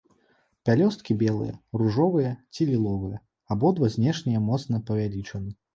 Пялёсткі белыя, ружовыя ці ліловыя, абодва знешнія моцна павялічаны.